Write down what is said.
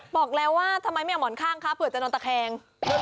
บอกแล้วว่าทำไมไม่เอาหมอนข้างคะเผื่อจะนอนตะแคง